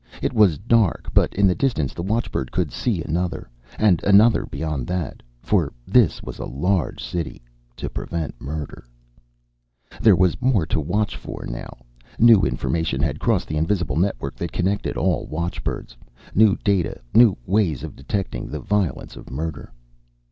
It was dark, but in the distance the watchbird could see another, and another beyond that. For this was a large city. To prevent murder ... There was more to watch for now. New information had crossed the invisible network that connected all watchbirds. New data, new ways of detecting the violence of murder.